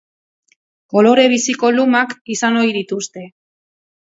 Kolore biziko lumak izan ohi dituzte.